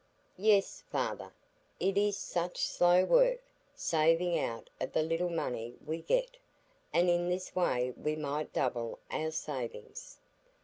"Yes, father; it is such slow work, saving out of the little money we get. And in this way we might double our savings."